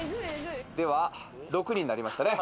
では６人になりましたね。